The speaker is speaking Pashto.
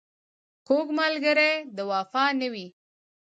کوږ ملګری د وفا نه وي